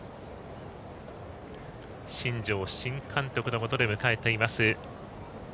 新庄新監督のもとで迎えています